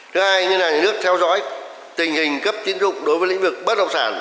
thứ hai như là nhà nước theo dõi tình hình cấp tiến dụng đối với lĩnh vực bất động sản